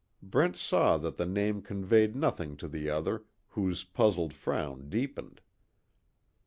Brent saw that the name conveyed nothing to the other, whose puzzled frown deepened.